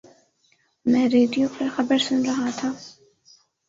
میں ریڈیو پر خبر سن رہا تھا